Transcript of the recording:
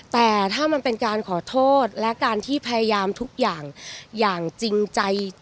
แต่ถ้ามันเป็นการขอโทษและการที่พยายามทุกอย่างอย่างจริงใจ